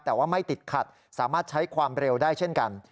แต่ว่าไม่ติดขัดสามารถใช้ความเร็วได้เช่นกัน